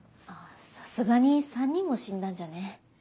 さすがに３人も死んだんじゃね。